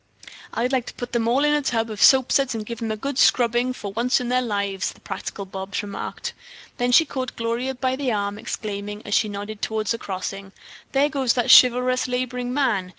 "I'd like to put them all in a tub of soap suds and give them a good scrubbing for once in their lives," the practical Bobs remarked. Then she caught Gloria by the arm, exclaiming, as she nodded toward a crossing, "There goes that chivalrous laboring man.